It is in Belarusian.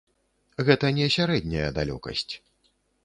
Гэта не сярэдняя далёкасць.